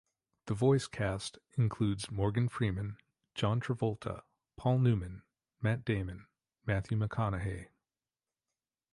The voice cast includes Morgan Freeman, John Travolta, Paul Newman, Matt Damon, Matthew McConaughey.